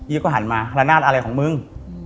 ก็หันมาละนาดอะไรของมึง